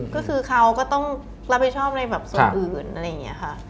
ก็คือเขาก็ต้องรับผิดชอบในแบบส่วนอื่นอะไรอย่างนี้ค่ะ